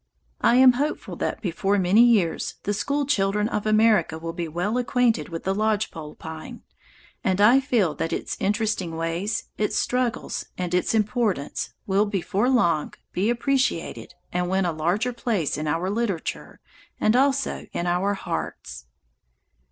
I am hopeful that before many years the school children of America will be well acquainted with the Lodge Pole Pine, and I feel that its interesting ways, its struggles, and its importance will, before long, be appreciated and win a larger place in our literature and also in our hearts.